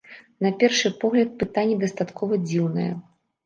На першы погляд, пытанне дастаткова дзіўнае.